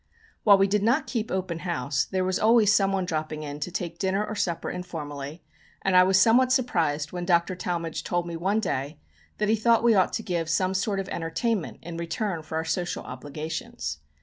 While we did not keep open house, there was always someone dropping in to take dinner or supper informally, and I was somewhat surprised when Dr. Talmage told me one day that he thought we ought to give some sort of entertainment in return for our social obligations.